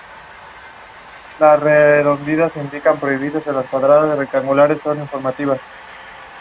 It focuses on interactions between the public and public authorities.